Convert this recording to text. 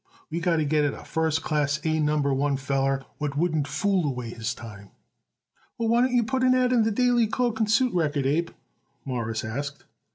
We got to get it a first class A Number One feller what wouldn't fool away his time." "Well, why don't you put it an ad in the Daily Cloak and Suit Record, Abe?" Morris asked.